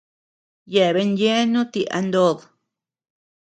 Yeabean yeanu ti a ndod.